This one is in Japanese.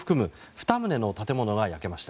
２棟の建物が焼けました。